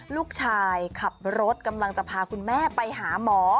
ลูกชายขับรถกำลังจะพาคุณแม่ไปหาหมอ